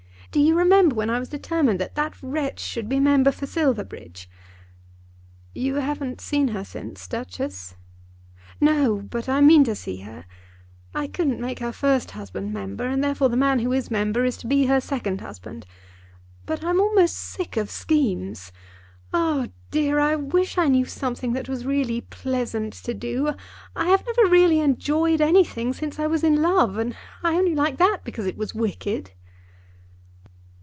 Do you remember when I was determined that that wretch should be member for Silverbridge?" "You haven't seen her since, Duchess?" "No; but I mean to see her. I couldn't make her first husband member, and therefore the man who is member is to be her second husband. But I'm almost sick of schemes. Oh, dear, I wish I knew something that was really pleasant to do. I have never really enjoyed anything since I was in love, and I only liked that because it was wicked."